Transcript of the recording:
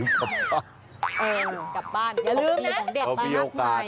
เออกลับบ้านอย่าลืมนะ